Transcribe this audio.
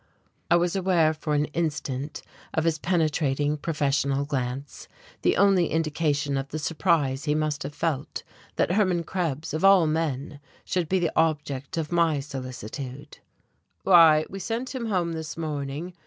I was aware for an instant of his penetrating, professional glance, the only indication of the surprise he must have felt that Hermann Krebs, of all men, should be the object of my solicitude. "Why, we sent him home this morning.